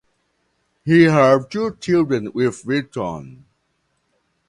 He had two children with Vittone.